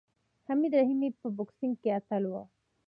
حمید رحیمي په بوکسینګ کې اتل و.